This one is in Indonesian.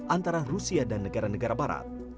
antara rusia dan negara negara barat